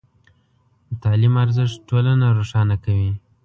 د تعلیم ارزښت ټولنه روښانه کوي.